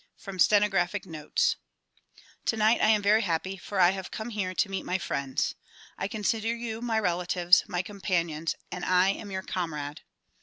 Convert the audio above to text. From Stenographic Notes TONIGHT I am very happy for I have come here to meet my friends. I consider you my relatives, my companions; and I am your comrade.